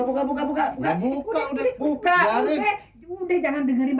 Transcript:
buka buka buka buka buka jangan dengerin